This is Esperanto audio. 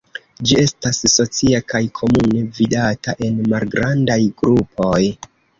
Ĝi estas socia kaj komune vidata en malgrandaj grupoj.